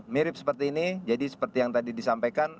mirip seperti ini jadi seperti yang tadi disampaikan